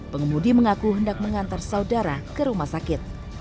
pengemudi mengaku hendak mengantar saudara ke rumah sakit